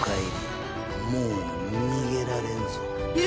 もう逃げられんぞ。